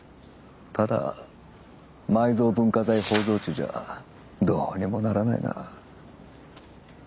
ただ埋蔵文化財包蔵地じゃどうにもならないな。